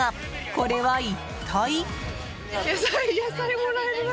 これは一体？